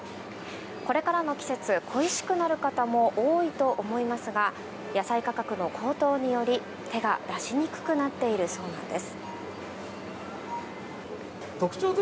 これからの季節、恋しくなる方も多いと思いますが野菜価格の高騰により手が出しにくくなっているそうなんです。